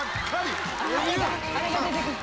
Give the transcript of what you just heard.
あれが出てくる。